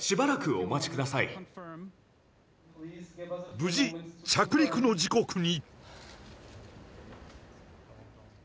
無事着陸の時刻に！